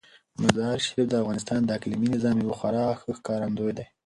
مزارشریف د افغانستان د اقلیمي نظام یو خورا ښه ښکارندوی دی.